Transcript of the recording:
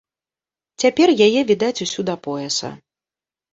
Цяпер яе відаць усю да пояса.